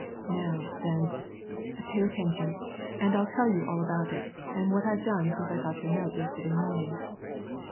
"Now, then, pay attention, and I'll tell you all about it, and what I've done since I got your note yesterday morning."